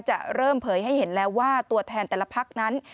จะเริ่มเผยให้เห็นแล้วว่าตัวแทนแต่ละพักนั้น